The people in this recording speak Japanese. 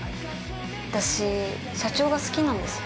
私、社長が好きなんです。